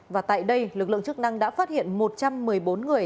và tại đây lực lượng chức năng đã phát hiện một trăm một mươi bốn người